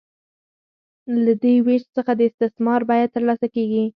له دې وېش څخه د استثمار بیه ترلاسه کېږي